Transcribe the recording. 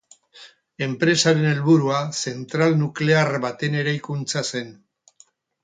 Enpresaren helburua zentral nuklear baten eraikuntza zen.